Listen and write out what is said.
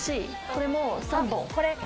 これも３本。